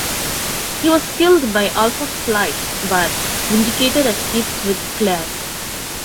He was killed by Alpha Flight but Vindicator escapes with Claire.